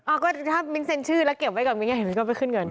อ้าวเก็บไว้เก็บไว้ก่อนก็ไปขึ้นเงิน